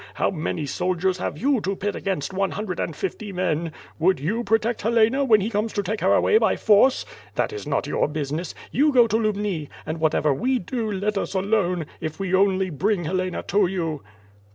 How many soldiers have you to pit against one hundred and fifty men? Would you protect Helena when he comes to take her away by force? That is not your business. You go to Lubni, and whatever we do, let us alone, if we only bring Helena to you."